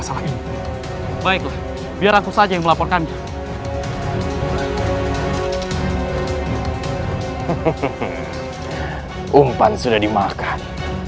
masalah ini baiklah biar aku saja melaporkannya umpan sudah dimakan